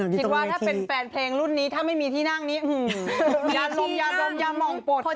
คิดว่าถ้าเป็นแฟนเพลงรุ่นนี้ถ้าไม่มีที่นั่งนี้ยาดมยาดมยามองปลด